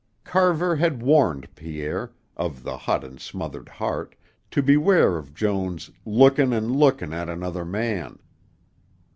Carver had warned Pierre of the hot and smothered heart to beware of Joan's "lookin' an' lookin' at another man."